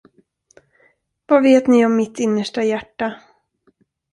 Vad vet ni om mitt innersta hjärta?